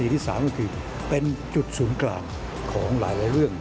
ที่๓ก็คือเป็นจุดศูนย์กลางของหลายเรื่อง